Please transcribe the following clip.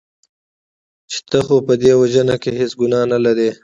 چې ته خو په دې وژنه کې هېڅ ګناه نه لرې .